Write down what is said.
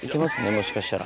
もしかしたら。